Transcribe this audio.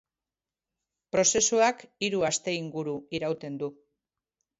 Prozesuak hiru aste inguru irauten du.